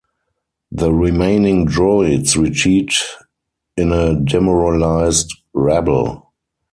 The remaining droids retreat in a demoralised rabble.